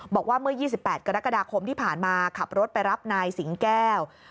บอกว่าเมื่อ๒๘กรกฎาคมที่ผ่านมาขับรถไปรับนายสิงแก้ว